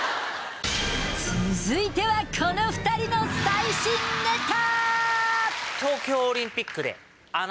続いてはこの２人の最新ネタ！